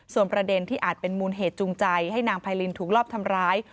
ส่วนประเด็นที่อาจเป็นมูลเหตุจูงใจให้นางไพรินถูกรอบทำร้าย